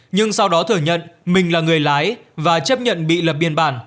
nhưng sau đó thừa nhận mình là người lái và chấp nhận bị lập biên bản